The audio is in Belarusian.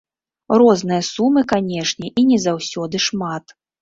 Розныя сумы, канечне, і не заўсёды шмат.